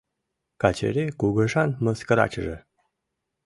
— Качыри кугыжан мыскарачыже...